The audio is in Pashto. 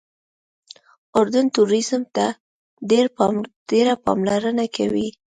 اردن ټوریزم ته ډېره پاملرنه کوي.